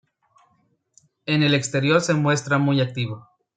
En el exterior se muestra muy activo.